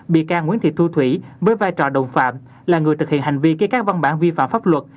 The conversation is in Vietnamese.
bị can nguyễn thị thu thủy với vai trò đồng phạm là người thực hiện hành vi ký các văn bản vi phạm pháp luật